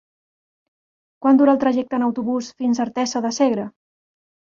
Quant dura el trajecte en autobús fins a Artesa de Segre?